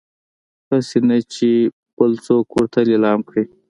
هسي نه چې يې بل څوک ورته ليلام کړي